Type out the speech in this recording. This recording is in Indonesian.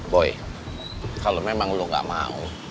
boy kalau memang lo gak mau